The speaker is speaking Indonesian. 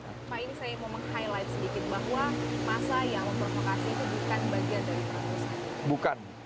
pak ini saya mau meng highlight sedikit bahwa masa yang memprovokasi itu bukan bagian dari provokasi